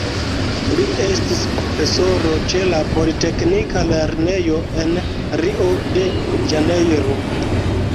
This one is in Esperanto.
Li estis profesoro ĉe la Politeknika Lernejo en Rio-de-Ĵanejro.